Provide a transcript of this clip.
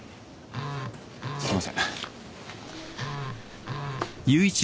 すいません。